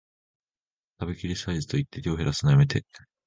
食べきりサイズと言って量へらすのやめて